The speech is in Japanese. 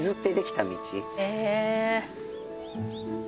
へえ！